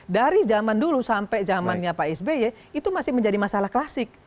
dari zaman dulu sampai zamannya pak sby itu masih menjadi masalah klasik